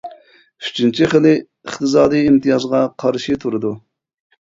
ئۈچىنچى خىلى، ئىقتىسادىي ئىمتىيازغا قارشى تۇرىدۇ.